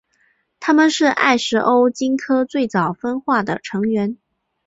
它们是艾什欧鲸科最早分化的成员。